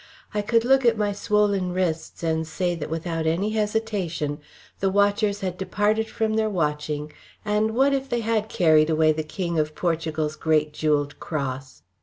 I could look at my swollen wrists and say that without any hesitation, the watchers had departed from their watching, and what if they had carried away the King of Portugal's great jewelled cross?